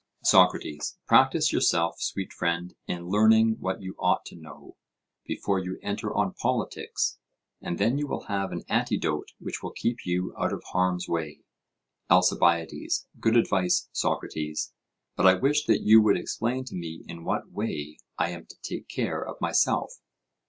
SOCRATES: Practise yourself, sweet friend, in learning what you ought to know, before you enter on politics; and then you will have an antidote which will keep you out of harm's way. ALCIBIADES: Good advice, Socrates, but I wish that you would explain to me in what way I am to take care of myself.